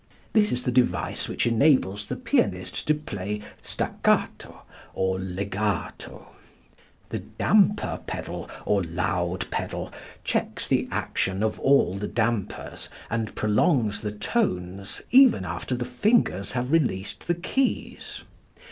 This is the device which enables the pianist to play staccato or legato. The damper pedal, or loud pedal, checks the action of all the dampers and prolongs the tones even after the fingers have released the keys.